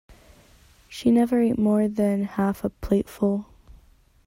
She never ate more than half a plateful